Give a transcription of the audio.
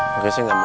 gak sih kamu